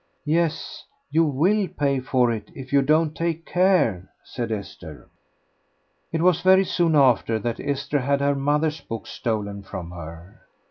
"Yes, you will pay for it if you don't take care," said Esther. It was very soon after that Esther had her mother's books stolen from her.